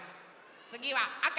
つぎはあか。